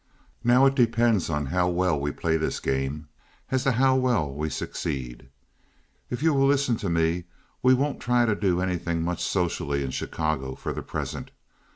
Now it depends on how well we play this game as to how well we succeed. If you will listen to me we won't try to do anything much socially in Chicago for the present.